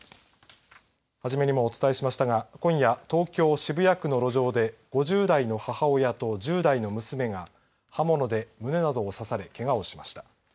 初めにもお伝えしましたが今夜、東京渋谷区の路上で５０代の母親と１０代の娘が刃物で胸などを刺されけがをしました。